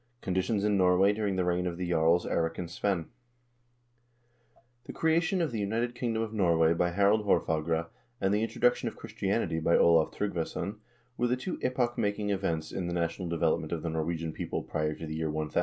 Conditions in Norway during the Reign of the Jarls ElRIK AND SVEIN The creation of the united kingdom of Norway by Harald Haarfagre and the introduction of Christianity by Olav Tryggvason were the two epoch making events in the national development of the Norwegian people prior to the year 1000.